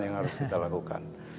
yang harus kita lakukan